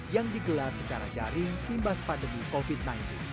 yang digelar secara daring imbas pandemi covid sembilan belas